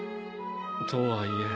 とはいえ。